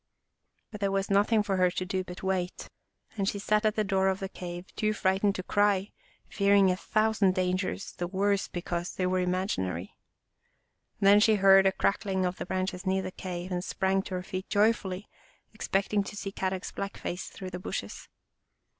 " But there was nothing for her to do but wait, and she sat at the door of the cave, too frightened to cry, fearing a thousand dangers the worse because they were imaginary. Then she heard a crack ling of the branches near the cave and sprang to her feet joyfully, expecting to see Kadok's black face through the bushes.